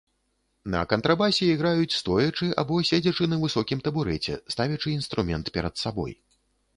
На кантрабасе іграюць стоячы або седзячы на высокім табурэце, ставячы інструмент перад сабой.